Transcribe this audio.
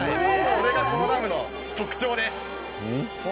これがこのダムの特徴です！